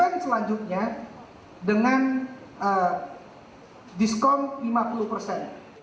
dan selanjutnya dengan diskon lima puluh persen